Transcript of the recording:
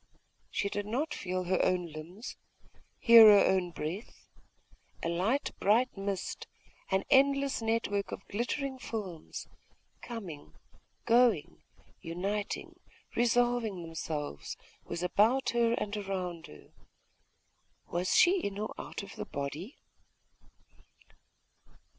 She did not feel her own limbs, hear her own breath.... A light bright mist, an endless network of glittering films, coming, going, uniting, resolving themselves, was above her and around her.... Was she in the body or out of the body?....